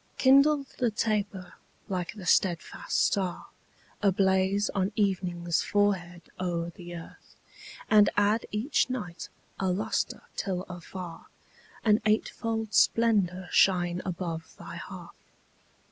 Kindle the taper like the steadfast star Ablaze on evening's forehead o'er the earth, And add each night a lustre till afar An eightfold splendor shine above thy hearth.